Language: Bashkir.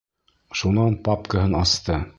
Шунан папкаһын асты.